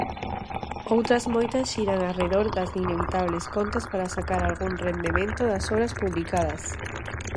Outras moitas xiran arredor das inevitables contas para sacar algún rendemento das obras publicadas.